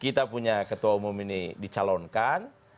kita punya ketua umum ini dicalonkan